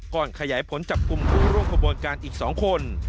ขยายผลจับกลุ่มผู้ร่วมขบวนการอีก๒คน